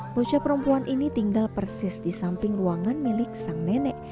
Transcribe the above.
bocah perempuan ini tinggal persis di samping ruangan milik sang nenek